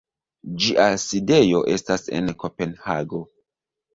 Ĝia sidejo estas en Kopenhago.